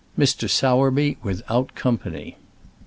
MR. SOWERBY WITHOUT COMPANY.